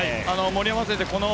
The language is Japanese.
森山選手